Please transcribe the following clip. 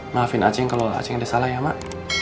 maafin acing kalau acing ada salah ya mak